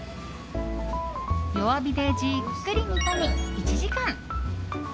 弱火でじっくり煮込み１時間。